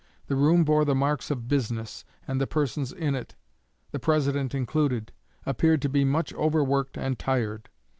The room bore the marks of business, and the persons in it, the President included, appeared to be much overworked and tired.